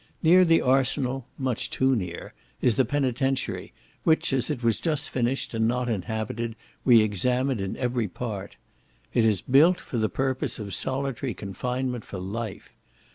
Near the arsenal (much too near) is the penitentiary, which, as it was just finished, and not inhabited, we examined in every part. It is built for the purpose of solitary confinement for life.